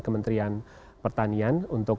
kementerian pertanian untuk